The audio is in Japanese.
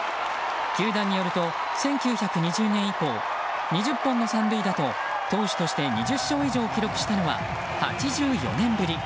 球団によると１９２０年以降２０本の三塁打と投手として２０勝以上を記録したのは８４年ぶり。